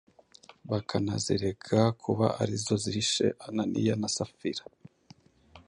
bakanazirega kuba ari zo zishe Ananiya na Safira,